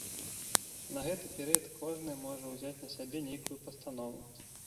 На гэты перыяд кожны можа ўзяць на сябе нейкую пастанову.